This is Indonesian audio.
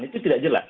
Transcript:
itu tidak jelas